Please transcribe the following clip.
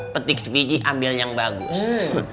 petik semiji ambil yang bagus